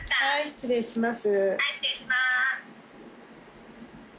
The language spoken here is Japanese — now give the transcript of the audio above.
失礼します。